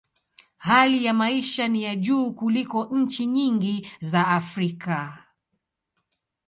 Hali ya maisha ni ya juu kuliko nchi nyingi za Afrika.